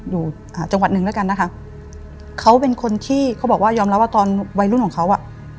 อยู่อ่าจังหวัดหนึ่งแล้วกันนะคะเขาเป็นคนที่เขาบอกว่ายอมรับว่าตอนวัยรุ่นของเขาอ่ะ